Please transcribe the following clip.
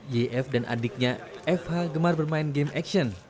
yf dan adiknya fh gemar bermain game action